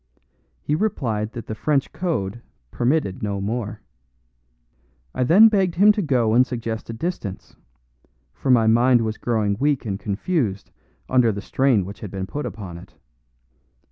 He replied that the French code permitted no more. I then begged him to go and suggest a distance, for my mind was growing weak and confused under the strain which had been put upon it.